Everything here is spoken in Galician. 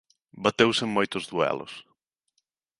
Bateuse en moitos duelos.